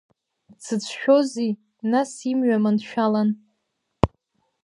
Дзыцәшәози, нас, имҩа маншәалан…